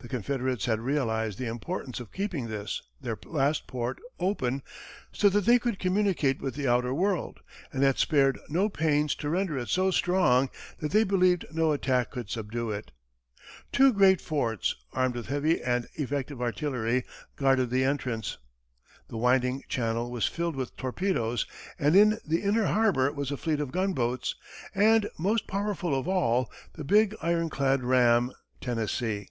The Confederates had realized the importance of keeping this, their last port, open, so that they could communicate with the outer world, and had spared no pains to render it so strong that they believed no attack could subdue it. Two great forts, armed with heavy and effective artillery, guarded the entrance; the winding channel was filled with torpedoes, and in the inner harbor was a fleet of gunboats, and, most powerful of all, the big, ironclad ram, Tennessee.